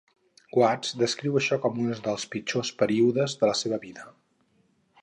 Watts descriu això com un dels pitjors períodes de la seva vida.